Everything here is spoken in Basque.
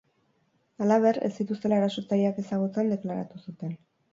Halaber, ez zituztela erasotzaileak ezagutzen deklaratu zuten.